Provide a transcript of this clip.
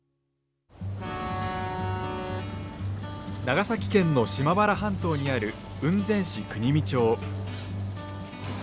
長崎県の島原半島にある雲仙市国見町。